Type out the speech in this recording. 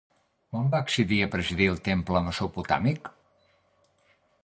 Quan va accedir a presidir el temple mesopotàmic?